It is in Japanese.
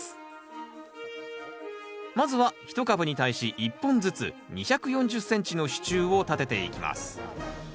まずは１株に対し１本ずつ２４０ｃｍの支柱を立てていきます。